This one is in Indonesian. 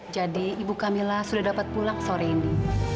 jadi ibu camilla sudah dapat pulang sore ini